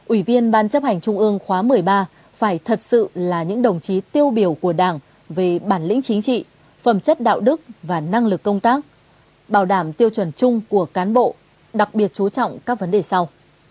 ủy viên ban chấp hành trung ương khóa một mươi ba phải thật sự là những đồng chí tiêu biểu của đảng về bản lĩnh chính trị phẩm chất đạo đức và năng lực công tác bảo đảm tiêu chuẩn chung của cán bộ đặc biệt chú trọng các vấn đề sau